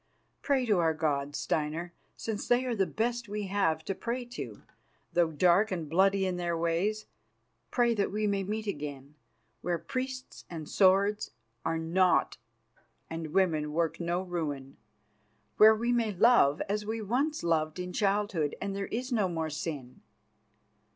Pray to our gods, Steinar, since they are the best we have to pray to, though dark and bloody in their ways; pray that we may meet again, where priests and swords are not and women work no ruin, where we may love as we once loved in childhood and there is no more sin.